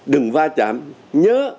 đừng va chạm nhớ